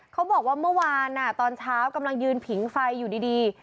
เขาบอกว่าเมื่อวานตอนเช้ากำลังยืนผิงไฟอยู่ดี